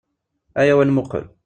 Ayaw ad nmuqel.